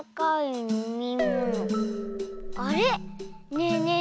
ねえねえ